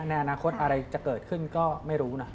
ในอนาคตอะไรจะเกิดขึ้นก็ไม่รู้นะ